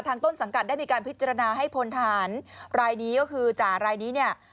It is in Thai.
ต้นสังกัดได้มีการพิจารณาให้พลทหารรายนี้ก็คือจ่ารายนี้เนี่ย